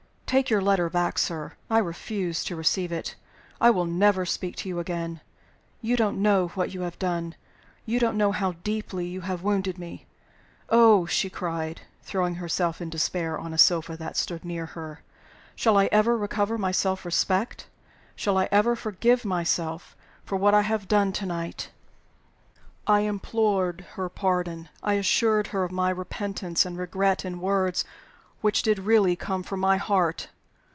"Take your letter back, sir; I refuse to receive it; I will never speak to you again. You don't know what you have done. You don't know how deeply you have wounded me. Oh!" she cried, throwing herself in despair on a sofa that stood near her, "shall I ever recover my self respect? shall I ever forgive myself for what I have done to night?" I implored her pardon; I assured her of my repentance and regret in words which did really come from my heart.